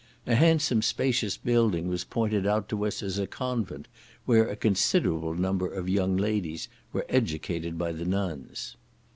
A handsome spacious building was pointed out to us as a convent, where a considerable number of young ladies were educated by the nuns.